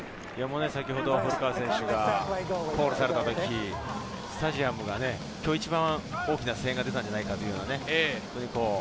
先ほど古川選手がコールされたとき、スタジアムが今日一番大きな声援が出たんじゃないかという。